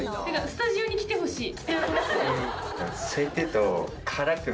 スタジオに来てほしい。